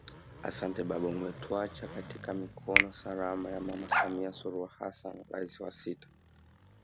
Asante baba umetuacha katika mikono salama ya Mama Samia Suluhu Hassan Rais wa sita